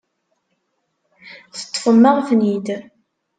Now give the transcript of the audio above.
Teṭṭfem-aɣ-ten-id.